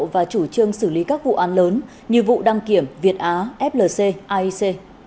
và chủ trương xử lý các vụ án lớn như vụ đăng kiểm việt á flc aic